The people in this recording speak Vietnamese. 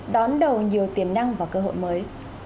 đón đầu nhiều tiềm năng và cơ hội mới